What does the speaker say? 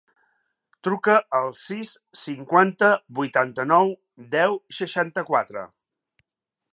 Truca al sis, cinquanta, vuitanta-nou, deu, seixanta-quatre.